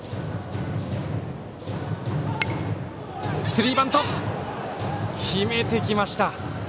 スリーバント、決めてきました。